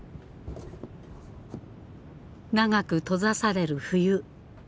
長く閉ざされる冬。